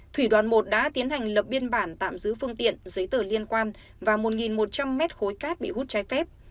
thủy đoàn một đã tiến hành lập biên bản tạm giữ phương tiện giấy tờ liên quan và một một trăm linh mét khối cát bị hút trái phép